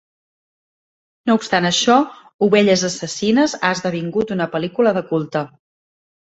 No obstant això, "Ovelles assassines" ha esdevingut una pel·lícula de culte.